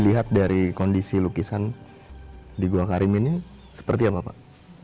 lihat dari kondisi lukisan di gua karimin ini seperti apa pak